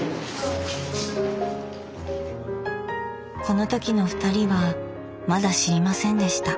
この時のふたりはまだ知りませんでした。